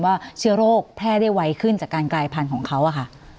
ว่าเชื้อโรคแพร่ได้ไวขึ้นจากการกลายพันธุ์ของเขาอะค่ะ